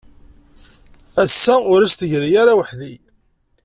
Ass-a ur d as-tegri ara weḥd-i.